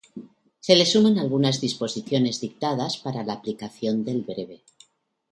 Se le suman algunas disposiciones dictadas para la aplicación del breve.